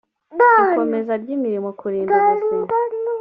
ikomeza ry imirimo kurinda ubuzima